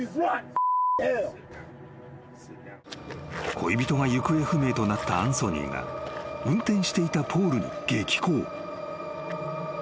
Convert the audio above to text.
［恋人が行方不明となったアンソニーが運転していたポールに激高］